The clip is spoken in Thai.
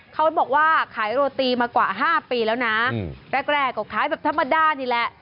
เขาบอกว่าขายโรตีมากว่า๕ปีแล้วนะแรกก็ขายแบบธรรมดานี่แหละ